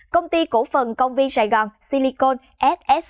công ty cổ phần công viên sài gòn silicon s s